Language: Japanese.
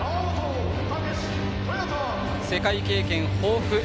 世界経験豊富。